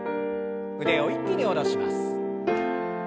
腕を一気に下ろします。